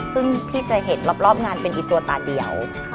ซึ่งพี่จะเห็นรอบงานเป็นอีตัวตาเดียว